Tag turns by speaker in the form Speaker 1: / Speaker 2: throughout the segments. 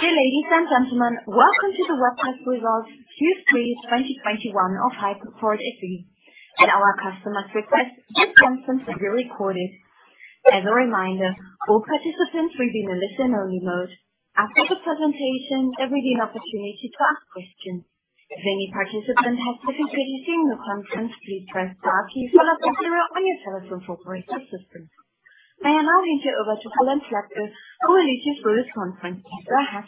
Speaker 1: Dear ladies and gentlemen, welcome to the webcast results Q3 2021 of Hypoport SE. At our customer's request, this conference will be recorded. As a reminder, all participants will be in a listen-only mode. After the presentation, there will be an opportunity to ask questions. If any participant has difficulty hearing the conference, please press star two followed by zero on your telephone's operating system. I now hand you over to Ronald Slabke, who will lead you through this conference. Go ahead.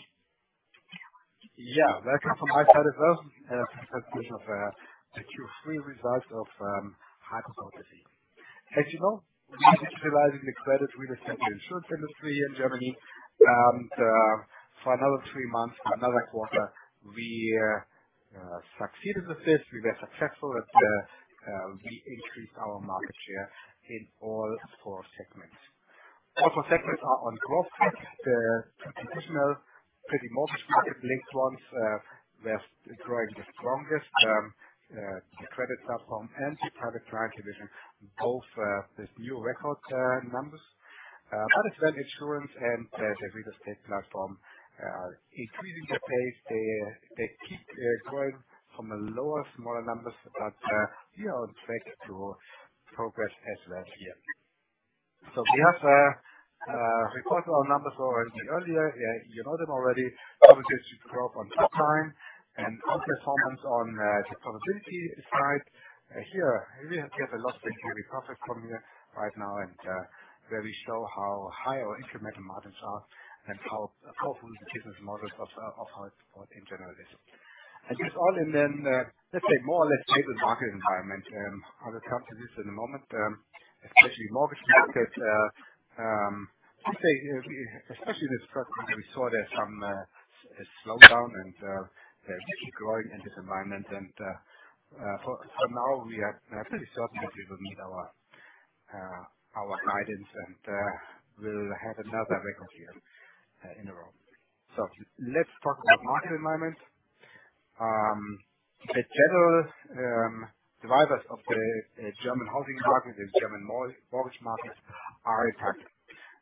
Speaker 2: Yeah. Welcome from my side as well. Presentation of the Q3 results of Hypoport SE. As you know, we're digitizing the Credit, Real Estate, and Insurance industry in Germany. For another three months, another quarter, we succeeded with this. We were successful that we increased our market share in all four segments. All four segments are on growth. The traditional property mortgage market-linked ones, they're growing the strongest. The Credit Platform and Private Client division, both with new record numbers. It's Insurance and the Real Estate Platform increasing the pace. They keep growing from lower smaller numbers, but we are on track to progress as last year. We have reported our numbers already earlier. You know them already. Double-digit growth on top line and outperformance on the profitability side. Here we have the increase in recurring profit from here right now, and where we show how high our incremental margins are and how powerful the business models of Hypoport in general is. It's all in a let's say more or less stable market environment. I will come to this in a moment. Especially mortgage markets. I'd say, especially this first quarter, we saw there some slowdown and we keep growing in this environment. For now we are pretty certain that we will meet our guidance, and we'll have another record year in a row. Let's talk about market environment. The general drivers of the German housing market and German mortgage markets are intact.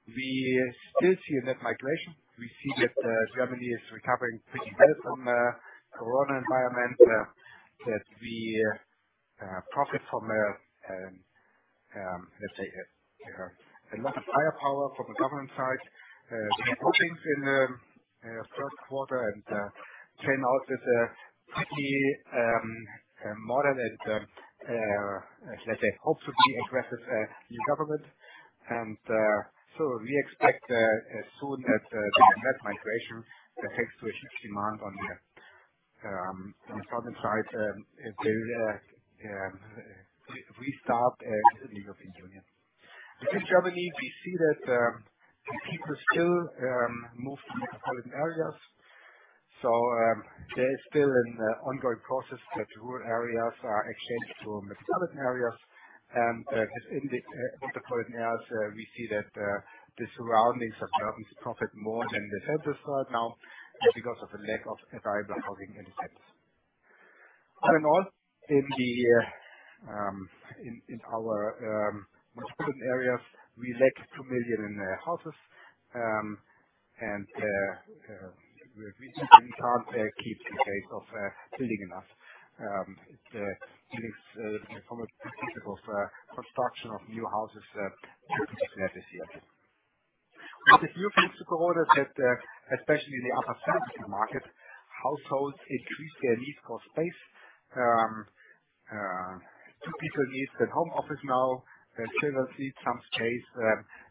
Speaker 2: We still see a net migration. We see that Germany is recovering pretty well from corona environment. That we profit from, let's say, a lot of firepower from the government side. We have good things in the first quarter and turn out with a pretty model that, let's say, hopefully addresses new government. We expect as soon as the net migration leads to a huge demand on the housing side, building restart in the European Union. Within Germany, we see that people still move to metropolitan areas. There is still an ongoing process that rural areas are exchanged to metropolitan areas. Within the metropolitan areas, we see that the surroundings of German cities profit more than the centers right now because of the lack of available housing in the centers. All in all, in our metropolitan areas, we lack 2 million houses, and we can't keep the pace of building enough buildings from a physical construction of new houses this year. With a few things to go with it, that especially in the upper segment of the market, households increase their need for space. Too, people needs their home office now. Their children need some space.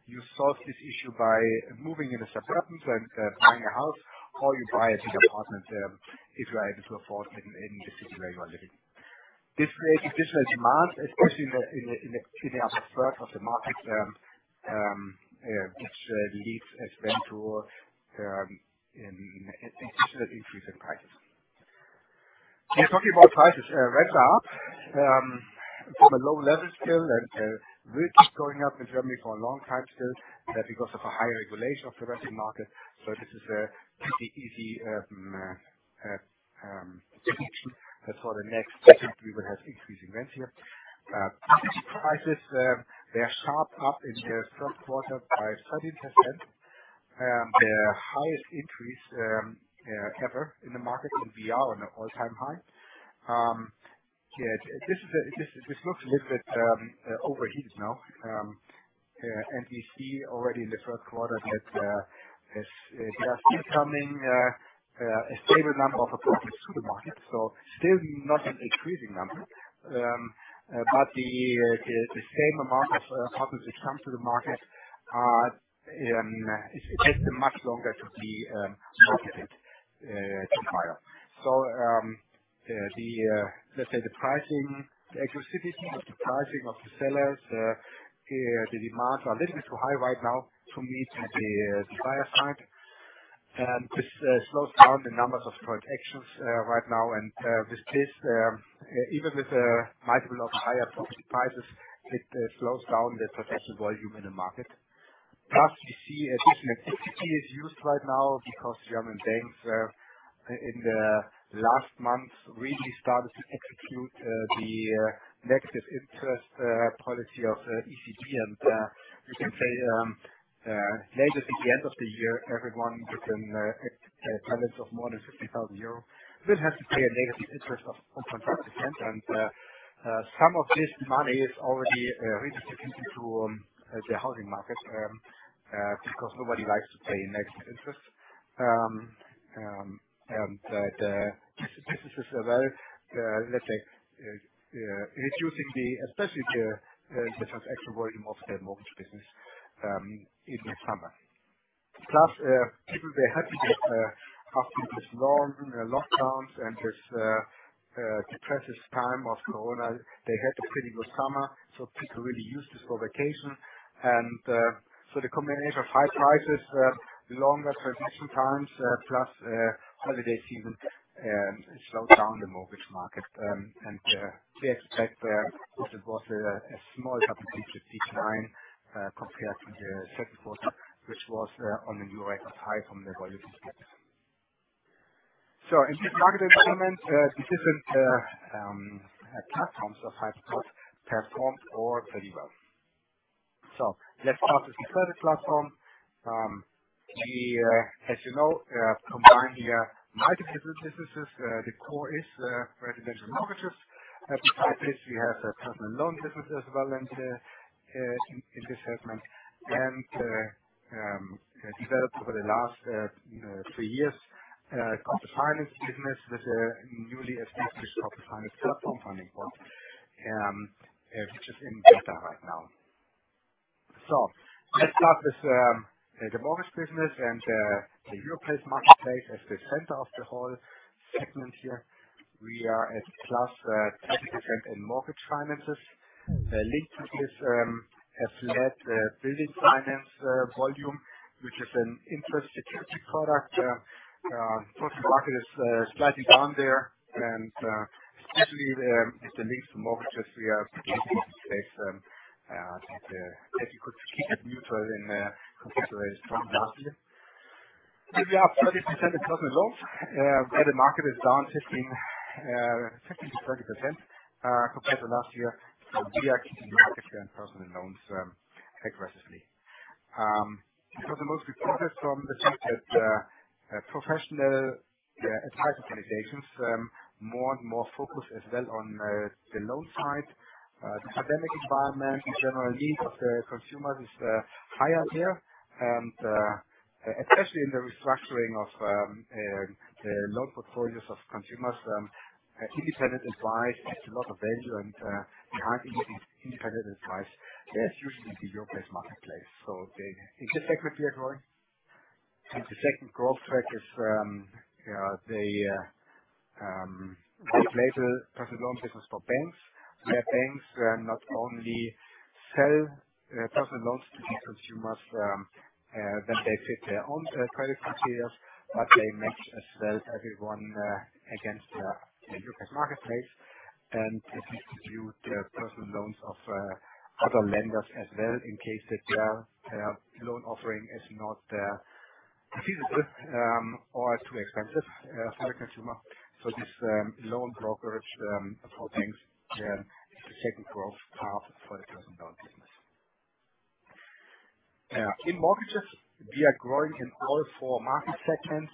Speaker 2: You solve this issue by moving into the suburbs and buying a house, or you buy a bigger apartment if you are able to afford it in any city where you are living. This creates additional demand, especially in the upper third of the market, which leads as well to an additional increase in prices. When talking about prices, rents are up from a low level still and will keep going up in Germany for a long time still because of a higher regulation of the renting market. This is pretty easy for the next years. We will have increasing rents here. Purchase prices, they are sharply up in the first quarter by 13%. The highest increase ever in the market and we are on an all-time high. This looks a little bit overheated now. We see already in the first quarter that there are still coming a stable number of approaches to the market, so still not an increasing number. The same amount of houses which come to the market, it takes them much longer to be marketed to buyer. Let's say the pricing, the exclusivity of the pricing of the sellers, the demands are a little bit too high right now to meet at the buyer side. This slows down the numbers of transactions right now. With this, even with multiple of higher property prices, it slows down the transaction volume in the market. We see additional activity is used right now because German banks, in the last month, really started to execute the negative interest policy of ECB. You can say later at the end of the year, everyone with a balance of more than 50,000 euros will have to pay a negative interest of 0.5%. Some of this money is already redistributed to the housing market because nobody likes to pay negative interest. This is a very, let's say, reducing especially the transaction volume of their mortgage business in the summer. Plus, people were happy that after this long lockdowns and this depressive time of corona, they had a pretty good summer, so people really used this for vacation. The combination of high prices, longer transaction times, plus holiday season slowed down the mortgage market. We expect that it was a small double-digit decline compared to the second quarter, which was on a new record high from the volume perspective. In this targeted segment, the different Platforms of Hypoport performed all pretty well. Let's start with the Credit Platform. As you know, we combine here multiple business. The core is residential mortgages. Besides this we have a personal loan business as well in this segment. Developed over the last three years corporate finance business with a newly established corporate finance platform fundingport, which is in beta right now. Let's start with the mortgage business and the Europace marketplace as the center of the whole segment here. We are at +30% in mortgage finances. The link to this has led to the building finance volume, which is an interest security product. Total market is slightly down there. Especially with the links to mortgages, we are pretty safe that we could keep it neutral considering the strong last year. We are 30% in personal loans, where the market is down 15%-30% compared to last year. We are keeping the market share in personal loans aggressively. We see the most progress from the fact that professional advice organizations more and more focused as well on the loan side. The pandemic environment and general need of the consumers is higher there. Especially in the restructuring of the loan portfolios of consumers, independent advice adds a lot of value. Behind independent advice, there is usually the Europace marketplace. It's a sector we are growing. The second growth track is we provide the personal loan business for banks where banks not only sell personal loans to the consumers when they fit their own credit criteria, but they match as well everyone against the Europace marketplace. It distributes the personal loans of other lenders as well in case that their loan offering is not feasible or is too expensive for the consumer. This loan brokerage for banks is the second growth path for the personal loan business. In mortgages we are growing in all four market segments.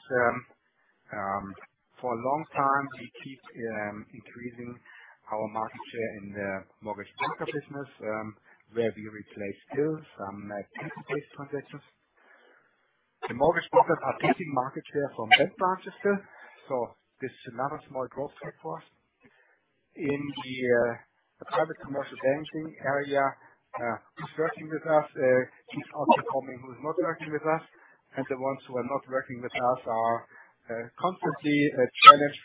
Speaker 2: For a long time we keep increasing our market share in the mortgage broker business, where we replace still some tax-based transactions. The mortgage brokers are taking market share from bank branches. This is another small growth rate for us. In the private commercial banking area, who's working with us keeps outperforming who's not working with us. The ones who are not working with us are constantly challenged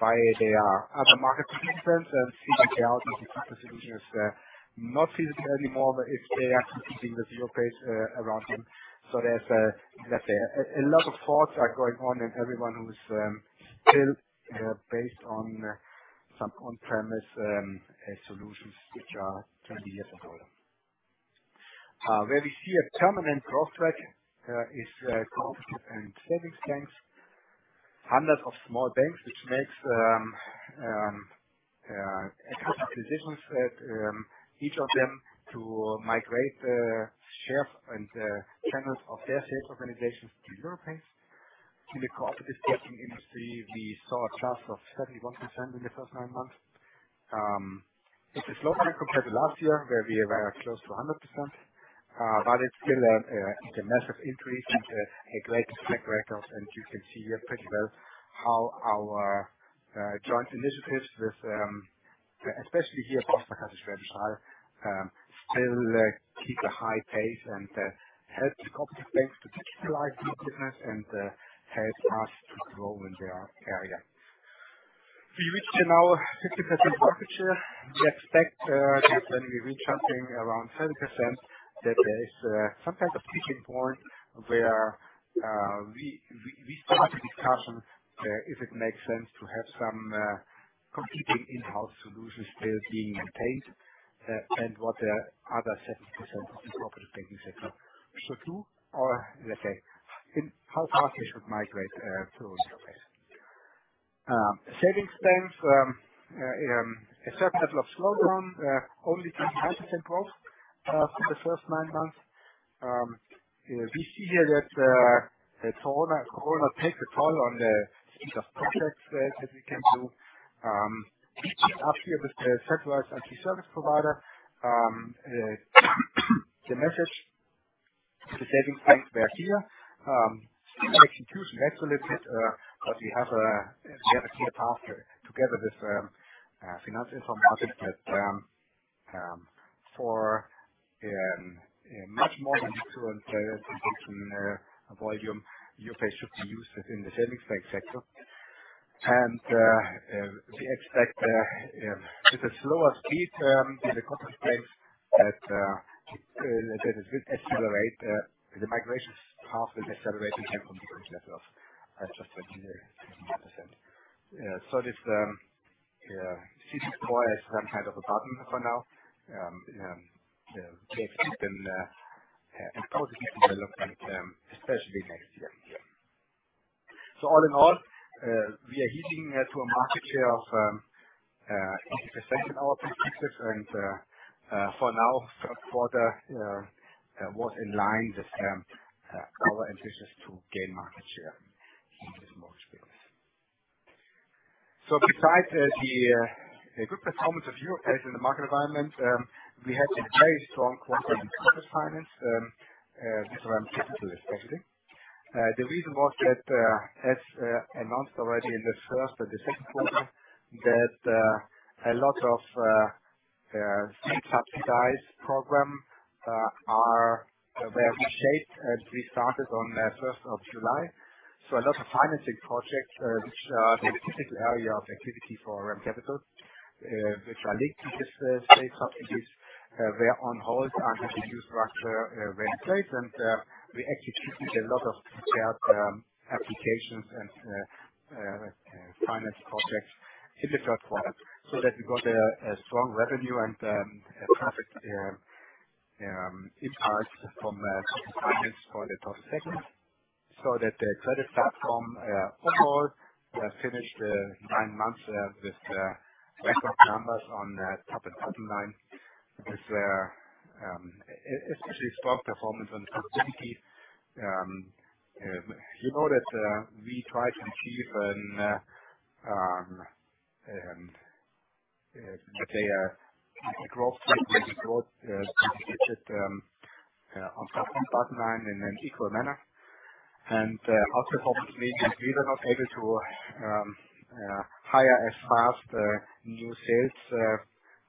Speaker 2: by their other market participants and seeking out easy super solutions that are not feasible anymore if they are competing with Europace around them. There's a, let's say, a lot of thoughts are going on in everyone who's still based on some on-premise solutions which are 20 years or older. Where we see a permanent growth track is cooperative and savings banks. Hundreds of small banks which makes a couple of decisions that each of them to migrate the shares and channels of their sales organizations to Europace. In the cooperative banking industry, we saw a growth of 71% in the first nine months. It is lower compared to last year where we were close to 100%. But it's still a massive increase and a great track record. You can see here pretty well how our joint initiatives with, especially here, still keep a high pace and help the cooperative banks to digitalize this business and help us to grow in their area. We reached now 60% market share. We expect that when we reach something around 70%, that there is some type of tipping point where we start a discussion if it makes sense to have some competing in-house solutions still being maintained and what the other 70% of the cooperative banking sector should do. Let's say, in how fast we should migrate to Europace. Savings banks, a certain level of slowdown, only 29% growth for the first nine months. We see here that corona takes a toll on the speed of projects that we can do. Actually with the centralized IT service provider, the message to the savings banks were here, execution excellent, because we have a clear path together with Finanz Informatik that for much more than current existing volume use should be used within the savings bank sector. We expect with a slower speed in the current strength that will accelerate the migration path in terms of current levels of just 26%. This seems to require some kind of a bottom for now. We'll keep an eye on this development, especially next year. All in all, we are heading to a market share of 80% in all segments. For now, third quarter was in line with our intentions to gain market share in this mortgage business. Besides the good performance of Europace in the market environment, we had a very strong quarter in corporate finance, which I will get to especially. The reason was that, as announced already in the first and the second quarter, a lot of state-subsidized programs that we shaped and we started on first of July. A lot of financing projects, which are the typical area of activity for REM Capital, which are linked to this state subsidies, were on hold until the new structure were in place. We executed a lot of these applications and financing projects in the third quarter, so that we got a strong revenue and a profit impact from REM Capital for the third quarter. The Credit Platform overall finished nine months with record numbers on the top and bottom line. This especially strong performance on profitability. You know that we try to achieve let's say a growth rate where we grow double-digits on top and bottom line in an equal manner. Also obviously we were not able to hire as fast new sales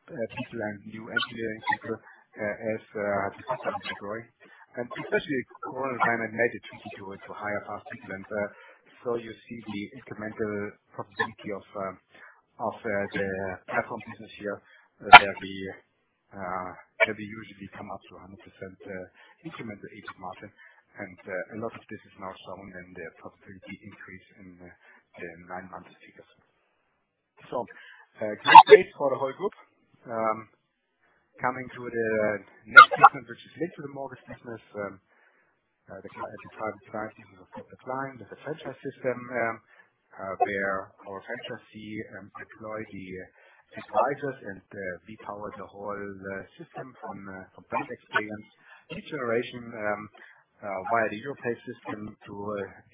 Speaker 2: people and new engineering people as the system is growing. Especially corona kind of made it tricky to hire fast people. You see the incremental profitability of the Platform business here where we usually come up to 100% incremental each quarter. A lot of this is now shown in the profitability increase in the nine months figures. Good base for the whole group. Coming to the next segment, which is linked to the mortgage business, the Advisory Private Client of Dr. Klein with the franchise system, where our franchisees deploy the advisors and we power the whole system from banking experience, lead generation via the Europace system to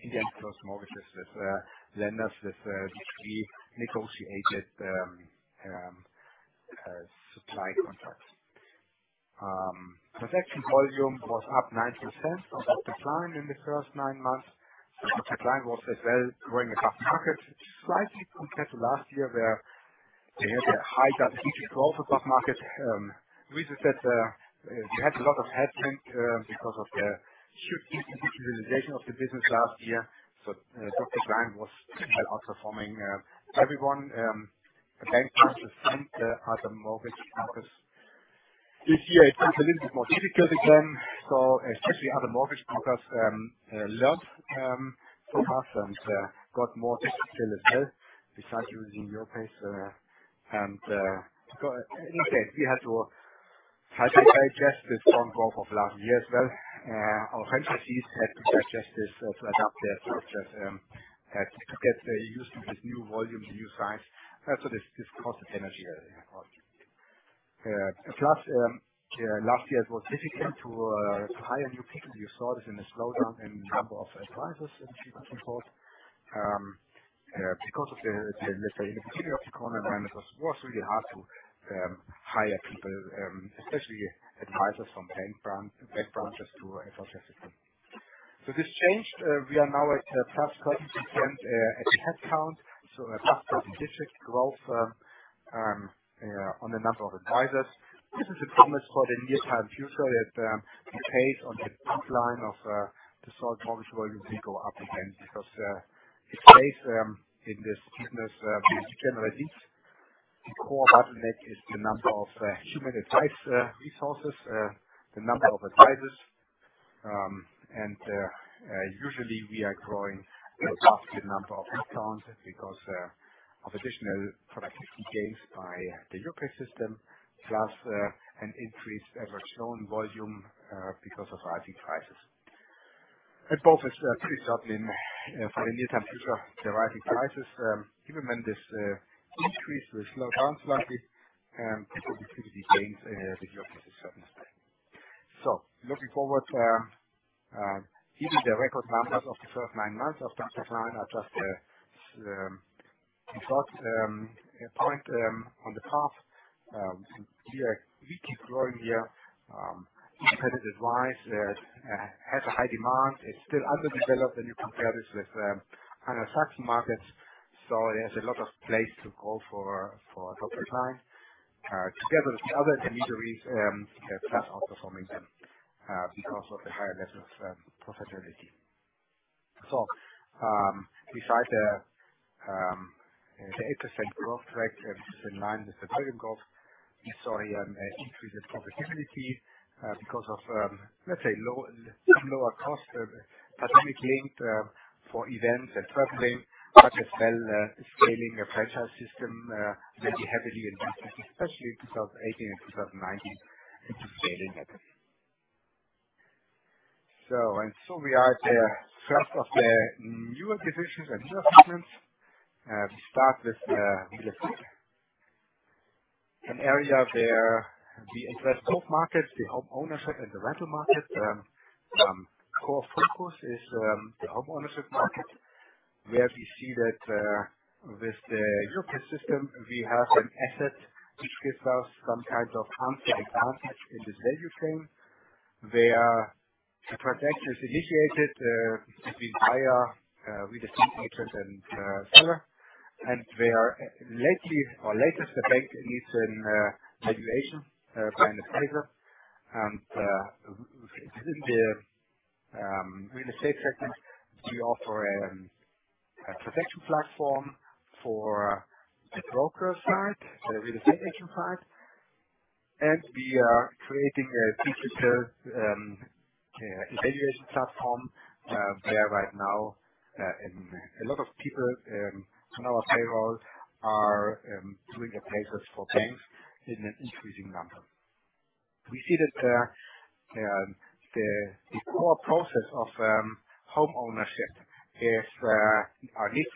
Speaker 2: in the end close mortgages with lenders with which we negotiated supply contracts. Transaction volume was up 9% over the Dr. Klein in the first nine months. The Dr. Klein was as well growing above market, slightly compared to last year, where they had a high double-digit growth above market. The reason that we had a lot of headwind because of the huge digitalization of the business last year. Dr. Klein was outperforming everyone, the bank customers and the other mortgage brokers. This year it was a little bit more difficult again, especially other mortgage brokers learned from us and got more digital itself besides using Europace. In that case we had to digest this strong growth of last year as well. Our franchisees had to digest this to adapt their process, had to get used to this new volume, the new size. This causes energy cost. Plus, last year it was difficult to hire new people. You saw this in the slowdown in number of advisors that we could support. Because of the, let's say, the particular economic environment, it was really hard to hire people, especially advisors from bank branches to advise us. This changed. We are now at +13% at headcount, so a double-digit growth on the number of advisors. This is a promise for the near-term future that the pace on the top line of the sold mortgage volumes will go up again because it's based in this business, we generate leads. The core bottleneck is the number of human advisory resources, the number of advisors. Usually we are growing a faster number of accounts because of additional productivity gains by the Europace system, plus an increased average loan volume because of rising prices. Both is pretty certain in for the near-term future, the rising prices. Even when this increase will slow down slightly, people will still be paying the. So looking forward, even the record numbers of the first nine months of Dr. Klein are just the first point on the path. We keep growing here. Independent advice has a high demand. It's still underdeveloped when you compare this with other such markets. There's a lot of place to go for Dr. Klein. Together with the other intermediaries, they are outperforming them because of the higher levels of profitability. Besides the 8% growth rate, this is in line with the driving goals. We saw an increased profitability because of, let's say, lower costs, primarily linked to events and travel, but as well, scaling a franchise system very heavily invested, especially in 2018 and 2019. It's a scaling effort. We are the first of the new acquisitions and new segments. We start with Real Estate. An area where we address both markets, the home ownership and the rental market. Core focus is the home ownership market, where we see that with the Europace system, we have an asset which gives us some kind of upfront advantage in this value chain, where the transaction is initiated between buyer, Real Estate agent, and seller, where lately the bank needs an evaluation by an appraiser. Within the Real Estate segment, we offer a transaction platform for the broker side, the Real Estate agent side. We are creating a digital evaluation platform where right now a lot of people on our payroll are doing appraisals for banks in an increasing number. We see that the core process of home ownership needs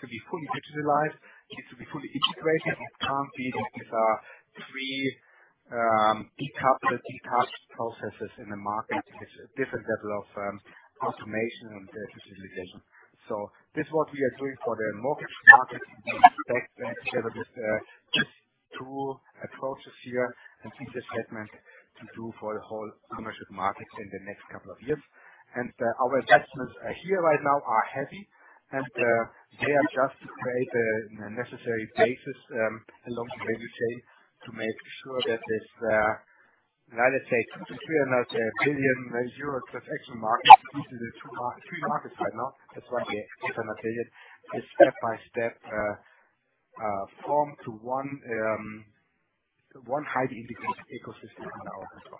Speaker 2: to be fully digitalized, needs to be fully integrated. It can't be these three decoupled, detached processes in the market with different level of automation and digitalization. This is what we are doing for the mortgage market. We take that together with two approaches here and business segments to do for the whole home ownership market in the next couple of years. Our investments here right now are heavy, and they are just to create a necessary basis along the value chain to make sure that this now let's say 200 billion-300 billion euro transaction market. This is a 200 billion-300 billion market right now. That's why we say 200 billion. It is step-by-step formed into one highly integrated ecosystem in our control.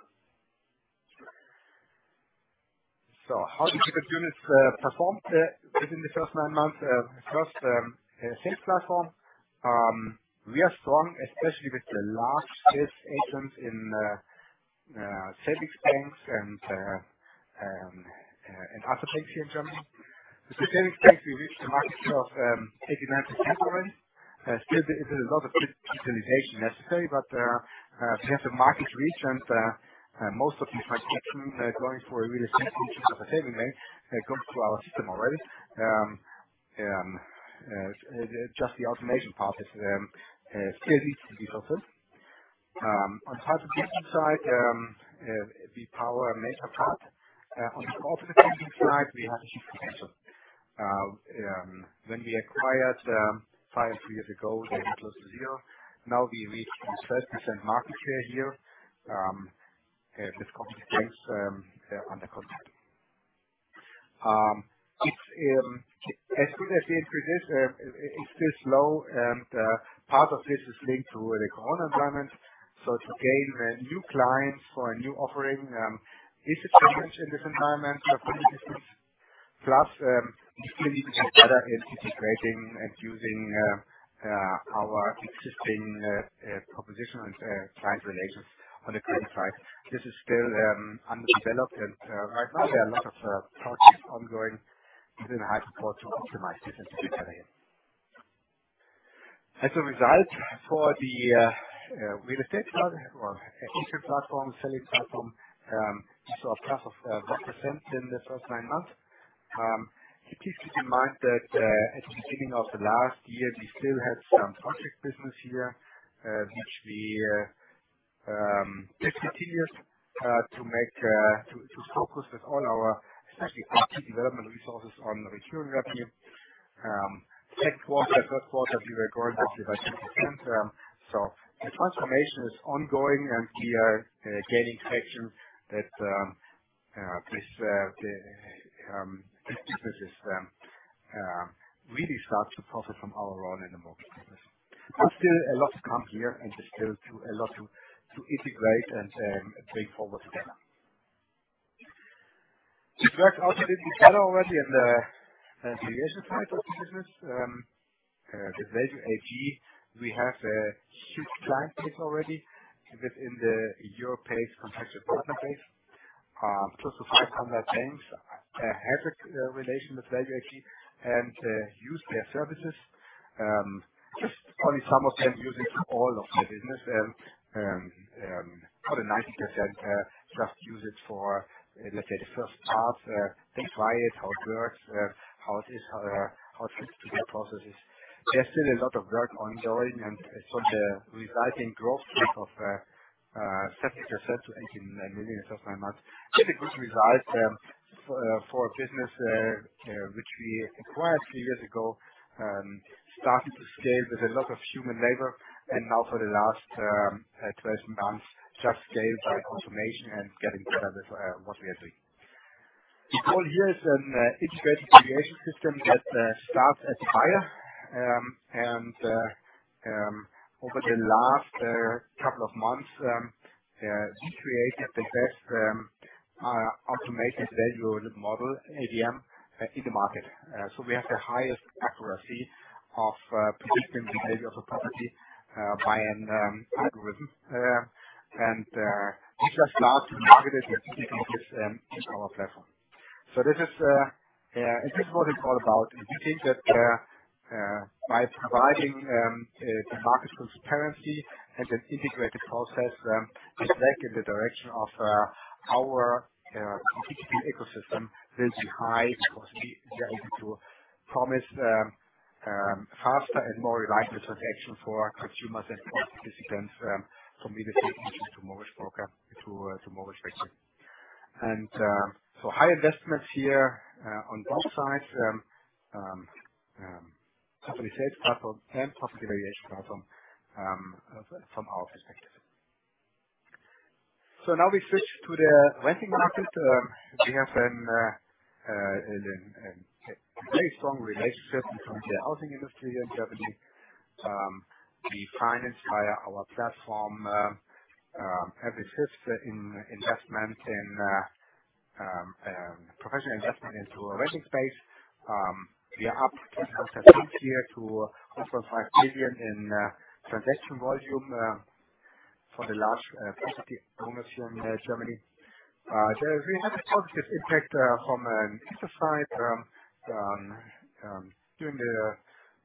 Speaker 2: How did the business units perform within the first nine months? First sales Platform. We are strong, especially with the large sales agents in savings banks and other banks here in Germany. The savings banks, we reached a market share of 89% already. Still there is a lot of digitalization necessary. We have the market reach, and most of the transactions going for a Real Estate agent of a savings bank goes through our system already. Just the automation part still needs to be sorted. On the private banking side, we power a major part. On the corporate banking side, we have a huge potential. When we acquired it five years ago, it was zero. Now we reached a 12% market share here with corporate banks under contract. It's as good as the increase is, it's still slow, and part of this is linked to the corona environment. To gain new clients for a new offering is a challenge in this environment of physical distance. Plus, we still need to get better at integrating and using our existing proposition and client relations on the Credit side. This is still underdeveloped, and right now there are a lot of projects ongoing within Hypoport to optimize this and to do better here. As a result, for the Real Estate side or acquisition Platform, selling Platform, we saw a growth of 1% in the first nine months. Please keep in mind that at the beginning of the last year, we still had some project business here, which we discontinued to focus with all our especially IT development resources on recurring revenue. Second quarter, first quarter, we were growing 30%-60%. The transformation is ongoing, and we are gaining traction that this business really starts to profit from our role in the mortgage business. Still a lot to come here, and there's still a lot to integrate and take forward together. This worked out a little bit better already in the agency side of the business. With Value AG, we have a huge client base already within the Europace context apartment base. Close to 500 banks have a relation with Value AG and use their services. Just probably some of them use it for all of their business. Probably 90% just use it for, let's say, the first part. They try it, how it works, how it is, how it fits to their processes. There's still a lot of work ongoing, and so the resulting growth rate of 70% to EUR 18 million in first nine months, still a good result, for a business which we acquired a few years ago, started to scale with a lot of human labor. Now for the last 12 months, just scaled by automation and getting better with what we are doing. The goal here is an integrated valuation system that starts at higher. Over the last couple of months, we created the best automated valuation model, AVM, in the market. We have the highest accuracy of predicting the value of a property by an algorithm. We just launched and marketed this in our Platform. This is what it's all about. We think that by providing the market transparency and an integrated process back in the direction of our B2B ecosystem with high velocity, we are able to promise faster and more reliable transactions for our consumers and participants from Real Estate agent to mortgage broker to mortgage banker. High investments here, on both sides, Property Sales Platform and Property Valuation Platform, from our perspective. Now we switch to the renting market. We have a very strong relationship with the housing industry in Germany. We finance via our Platform and assist in investment in professional investment into a renting space. We are up 10% here to close to EUR 5 billion in transaction volume for the large property owners here in Germany. There we have a positive impact from an interest side.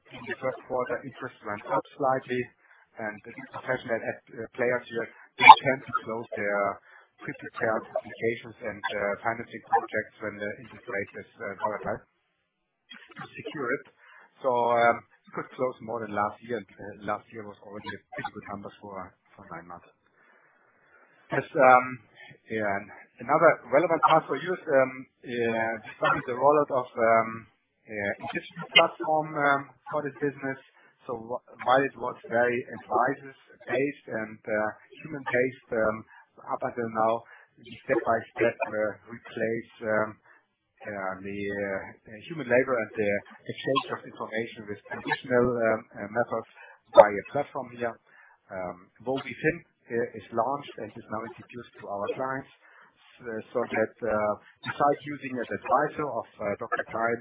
Speaker 2: In the first quarter, interest went up slightly. These professional e-players here, they tend to close their pre-prepared applications and financing projects when the interest rate is qualified to secure it. We could close more than last year, and last year was already a good number for nine months. Another relevant part for you is discussing the rollout of existing Platform for this business. While it was very advisors-based and human-based up until now, we step by step replace the human labor and the exchange of information with traditional methods by a Platform here. WOWIFIN is launched and is now introduced to our clients. That, besides using as advisor of Dr. Klein,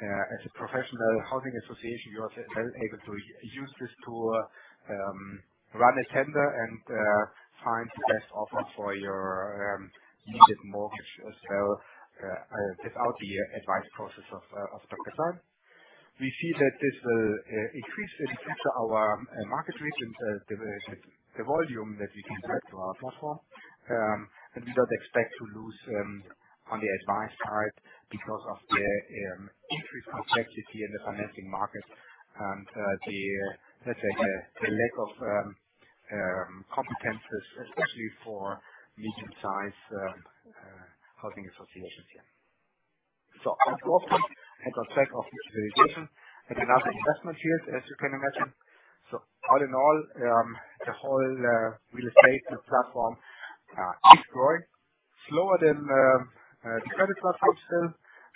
Speaker 2: as a professional housing association, you are well able to use this tool, run a tender and find the best offer for your needed mortgage as well, without the advice process of Dr. Klein. We see that this will increase our market reach and the volume that we can drive to our Platform. We don't expect to lose on the advice side because of the increased complexity in the financing market and the, let's say, lack of competencies, especially for medium-sized housing associations here. On top, as a result of this valuation, and another investment here, as you can imagine. All in all, the whole Real Estate Platform is growing slower than Credit Platform still,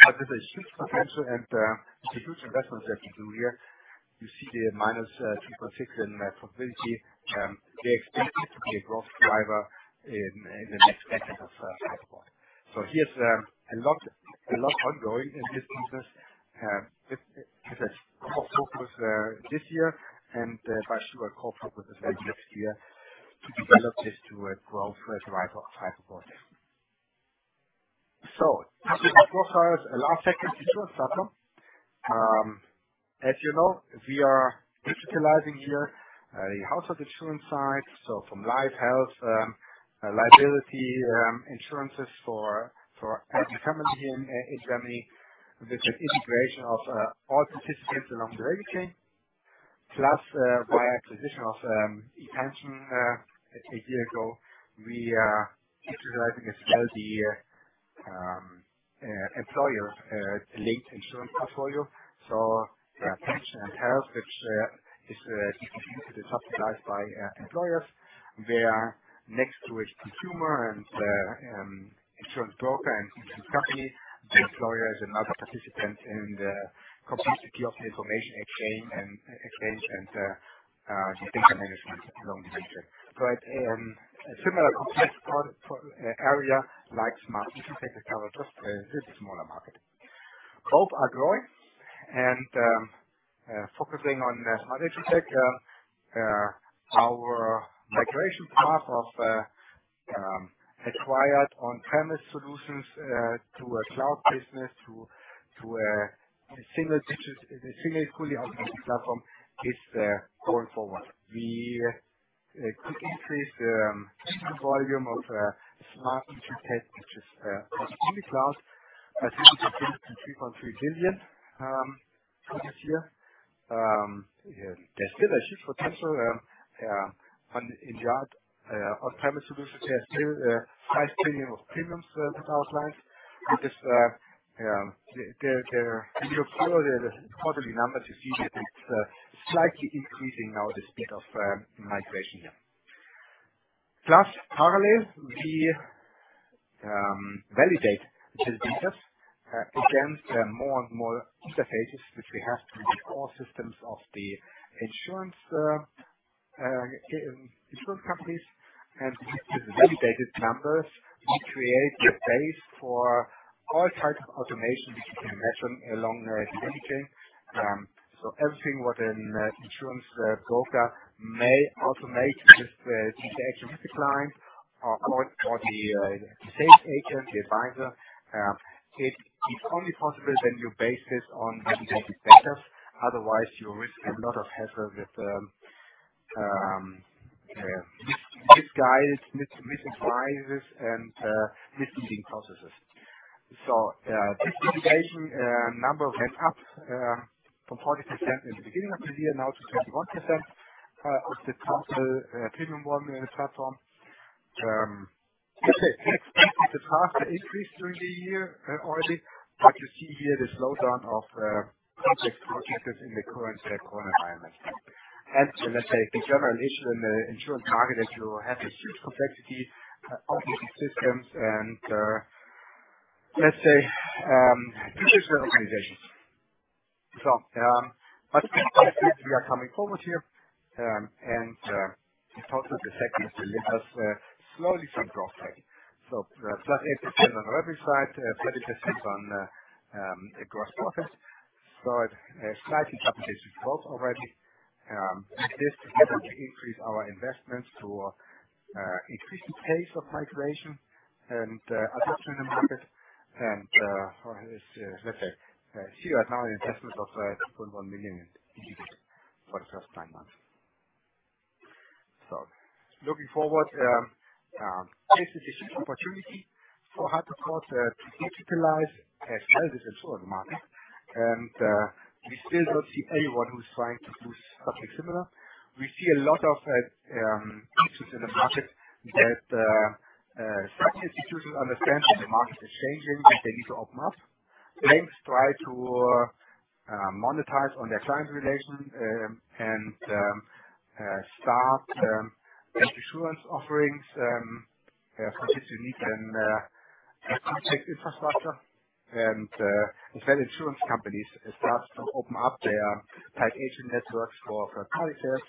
Speaker 2: but with a huge potential and it's a huge investment that we do here. You see the -2.6% in profitability. We expect it to be a growth driver in the next decades of Hypoport. Here's a lot ongoing in this business. It's a core focus this year, and quite sure a core focus as well next year to develop this to a growth driver of Hypoport. Coming to cross-sales, our second Insurance Platform. As you know, we are digitalizing here the Household Insurance side. From life, health, liability insurances for every family in Germany with an integration of all participants along the value chain. Plus, via acquisition of ePension a year ago, we are digitalizing as well the employer linked Insurance portfolio, pension and health, which is distributed and subsidized by employers. They are next to a consumer and insurance broker and insurance company, the employer is another participant in the complexity of the information exchange and exchange and if you think the management long-term future. A similar complex product area like Smart InsurTech is covered, just a bit smaller market. Both are growing and focusing on Smart InsurTech. Our migration path of acquired on-premise solutions to a cloud business to a single fully automatic platform is going forward. We could increase volume of Smart InsurTech, which is hosted in the cloud. I think it's been EUR 3.3 billion for this year. There's still a huge potential in the market on-premise solutions. There's still EUR 5 trillion of premiums with our clients. The quarterly numbers, you see that it's slightly increasing now, the speed of migration. In parallel, we validate the data against more and more interfaces which we have to the core systems of the insurance companies. With the validated numbers, we create a base for all types of automation which you can imagine along the value chain. Everything what an insurance broker may automate with the direct client or the sales agent, the advisor. It's only possible when you base this on validated data. Otherwise you risk a lot of hassle with misguide, misadvises and misleading processes. This integration number went up from 40% in the beginning of the year now to 71% of the total premium volume in the Platform. Let's say we expected a faster increase during the year already. You see here the slowdown of complex processes in the current corona environment. Let's say the general issue in the insurance market is you have a huge complexity of these systems and, let's say, traditional organizations. We are coming forward here, and also the segment delivers slowly some growth rate. +8% on the revenue side, 30% on gross profits. It slightly compensates growth already. This together we increase our investments to increase the pace of migration and adoption in the market. Let's say, here right now an investment of EUR 2.1 million in Q2 for the first nine months. Looking forward, this is a huge opportunity for Hypoport to digitalize as well as ensure the market. We still don't see anyone who's trying to do something similar. We see a lot of pieces in the market that such institutions understand that the market is changing and they need to open up. Banks try to monetize on their client relation and start insurance offerings. For this you need a complex infrastructure. Instead insurance companies start to open up their tied agent networks for tele sales.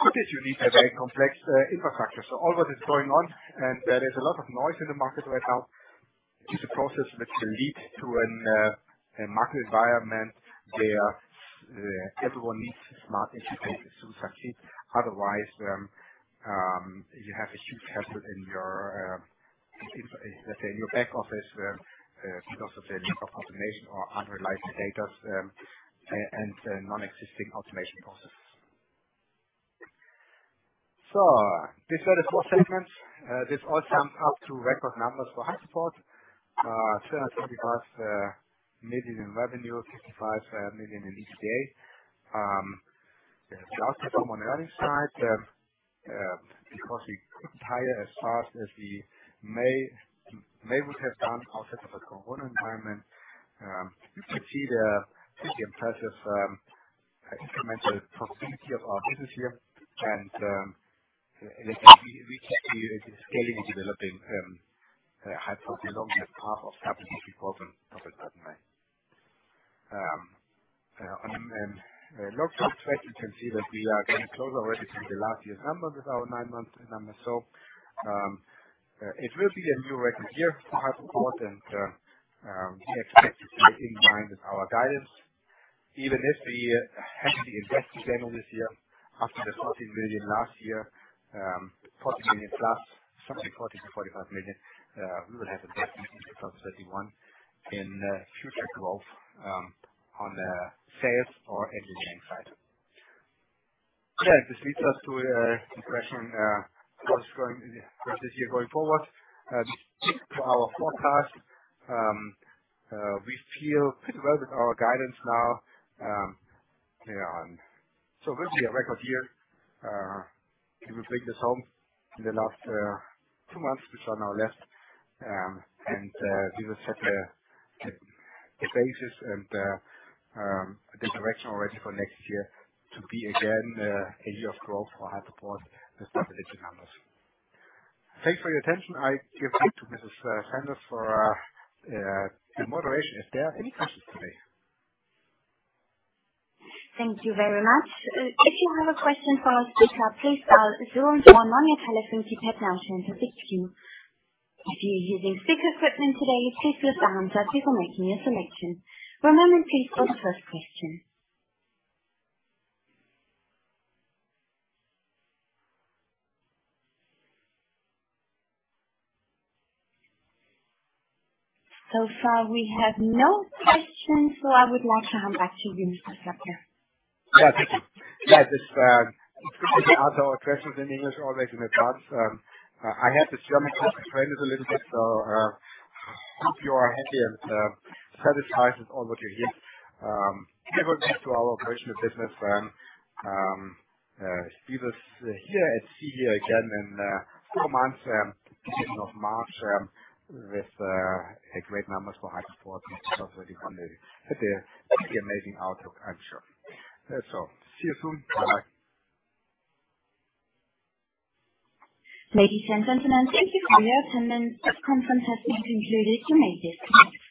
Speaker 2: For this you need a very complex infrastructure. All that is going on, and there is a lot of noise in the market right now. It's a process which will lead to a market environment where everyone needs smart insurance tech to succeed. Otherwise, you have a huge hassle in your, in, let's say, in your back office, because of the lack of automation or under licensed data, and non-existing automation process. These are the four segments. This all sums up to record numbers for Hypoport. 250 million+ in revenue, EUR 65 million in EBITDA. The outcome on earnings side, because we couldn't hire as fast as we may would have done outside of the corona environment. You can see the pretty impressive incremental profitability of our business here. We continue scaling and developing Hypoport along the path of double-digit growth and double-digit margin. On long-term trend, you can see that we are getting closer already to the last year's numbers with our nine-month numbers. It will be a new record year for Hypoport. We have kept this in mind with our guidance. Even if we heavily invest again this year after the 14 million last year, 14 million+, something 40 million-45 million, we will have a better EBITDA approx 31 million in future growth on the sales or engineering side. This leads us to the question, what's going in the rest of this year going forward. To our forecast, we feel pretty well with our guidance now. It will be a record year. We will bring this home in the last two months which are now left. We will set the basis and the direction already for next year to be again a year of growth for Hypoport with double-digit numbers. Thanks for your attention. I give back to Mrs. Sanders for moderation if there are any questions today.
Speaker 1: Thank you very much. If you have a question for our speaker, please dial zero and one on your telephony keypad now to enter the queue. If you're using speaker equipment today, please lift the handset before making your selection. One moment, please, for the first question. So far we have no questions, so I would like to hand back to you, Mr. Slabke.
Speaker 2: Thank you. It's questions in English always in advance. I had to German translate it a little bit. Hope you are happy and satisfied with all what you hear. We will get back to our operational business. See this here and see you again in four months, beginning of March, with great numbers for Hypoport in 2022. With the amazing outlook, I'm sure. See you soon. Bye-bye.
Speaker 1: Ladies and gentlemen, thank you for your attendance. This conference has been concluded. You may disconnect.